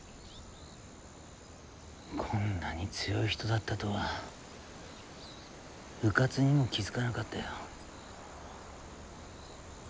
こんなに強い人だったとはうかつにも気付かなかったよ。